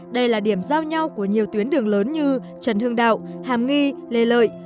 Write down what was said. đây là điểm giao nhau của nhiều tuyến đường lớn như trần hưng đạo hàm nghi lê lợi